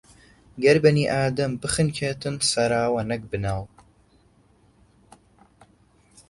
گەر بەنی ئادەم بخنکێتن، سەراوە نەک بناو